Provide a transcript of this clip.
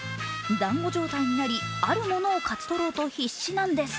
だんご状態になり、あるものを勝ち取ろうと必死なんです。